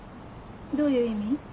どういう意味？